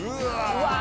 うわ。